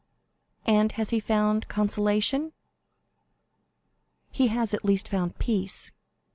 "And has he found consolation?" "He has at least found peace."